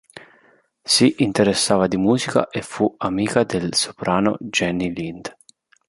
Si interessava di musica e fu amica del soprano Jenny Lind.